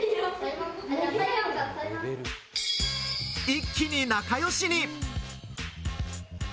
一気に仲良しに。